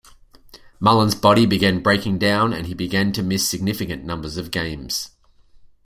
Mullin's body began breaking down, and he began to miss significant numbers of games.